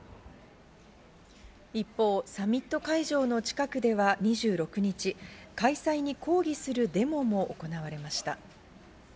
一方、サミット会場の近くでは２６日、開催に抗議するデモも行われました。